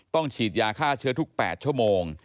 ฉีดยาฆ่าเชื้อทุก๘ชั่วโมง